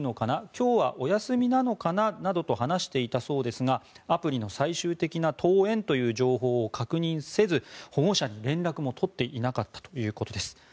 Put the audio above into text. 今日はお休みなのかな？などと話していたそうですがアプリの最終的な登園という情報を確認せず保護者に連絡も取っていなかったということです。